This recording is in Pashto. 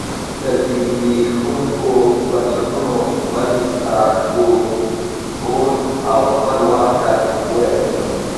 له زبېښونکو بنسټونو بل رانسکور او خپله واک ته ورسېږي.